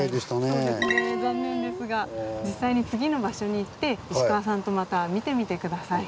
そうですね残念ですが実際に次の場所に行って石川さんとまた見てみて下さい。